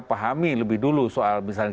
pahami lebih dulu soal misalnya